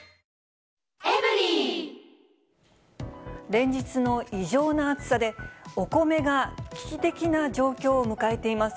連日の異常な暑さで、お米が危機的な状況を迎えています。